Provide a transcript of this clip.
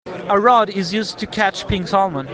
A rod is used to catch pink salmon.